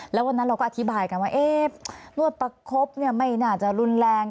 แล้ววันนั้นเราก็อธิบายกันว่านวดประคบไม่น่าจะรุนแรง